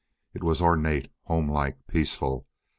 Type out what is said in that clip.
It was ornate, homelike, peaceful.